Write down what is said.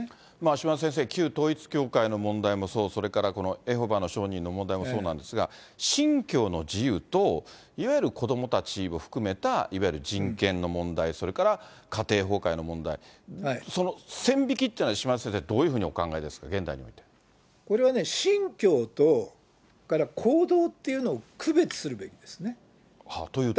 島田先生、旧統一教会の問題もそう、それからこのエホバの証人の問題もそうなんですが、信教の自由と、いわゆる子どもたちを含めたいわゆる人権の問題、それから家庭崩壊の問題、その線引きってのは、島田先生、どういうふうにお考えですか、これは信教と、それから行動っていうのを区別するべきですね。というと？